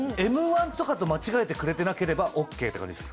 Ｍ−１とかと間違えてくれてなければオッケーって感じです。